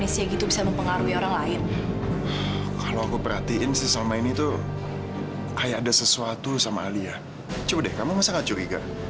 sampai jumpa di video selanjutnya